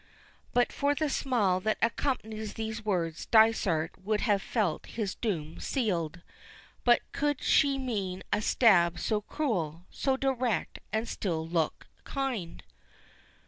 But for the smile that accompanies these words Dysart would have felt his doom sealed. But could she mean a stab so cruel, so direct, and still look kind?